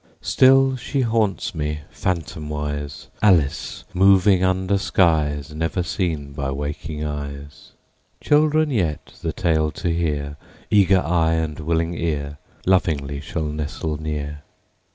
Still she haunts me, phantomwise, Alice moving under skies Never seen by waking eyes. Children yet, the tale to hear, Eager eye and willing ear, Lovingly shall nestle near.